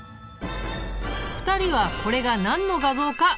２人はこれが何の画像か分かるかな？